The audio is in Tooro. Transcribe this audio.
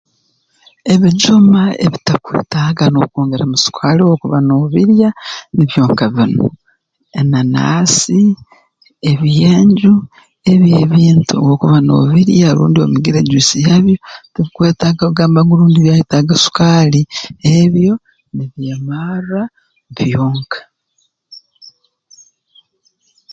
Ebijuma ebitakwetaaga n'okwongeramu sukaali obu okuba noobirya nibyo nka binu ananaasi ebyenju ebi ebintu obu okuba noobirya rundi omigire jwici yabyo tibikwetaaga kugamba ngu rundi byayetaaga sukaali ebyo nibyemarra byonka